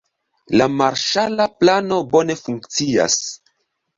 La marŝala plano bone funkcias.